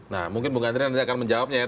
nah mungkin bung hendry akan menjawabnya ya